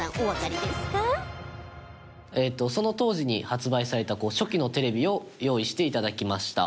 隆貴君：その当時に発売された初期のテレビを用意していただきました。